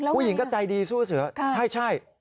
ผู้หญิงก็ใจดีสู้เสือใช่